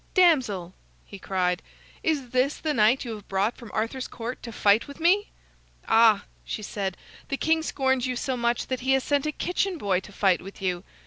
"Damsel," he cried, "is this the knight you have brought from Arthur's Court to fight with me?" "Ah!" she said, "the king scorns you so much that he has sent a kitchen boy to fight with you.